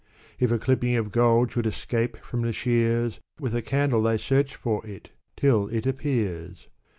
If a clipping of gold should escape from the shears, With a candle they search for it, till it appears.